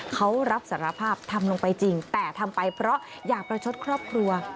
เขารับสารภาพทำลงไปจริงแต่ทำไปเพราะอยากประชดครอบครัว